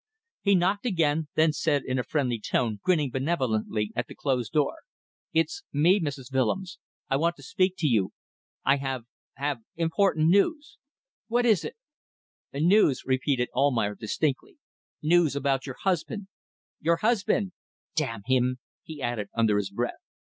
He knocked again, then said in a friendly tone, grinning benevolently at the closed door "It's me, Mrs. Willems. I want to speak to you. I have ... have ... important news. ..." "What is it?" "News," repeated Almayer, distinctly. "News about your husband. Your husband! ... Damn him!" he added, under his breath.